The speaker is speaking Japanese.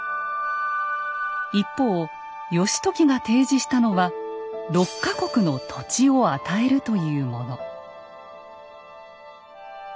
一方義時が提示したのは「六か国の土地を与える」というもの。